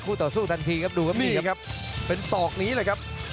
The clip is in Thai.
คู่ต่อสู้ทันทีละครับเติมเคลื่อนเป็นสอกนี้เลยครับ